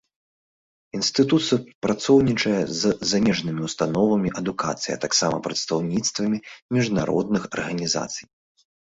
Інстытут супрацоўнічае з замежнымі ўстановамі адукацыі, а таксама прадстаўніцтвамі міжнародных арганізацый.